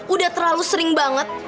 udah terlalu sering banget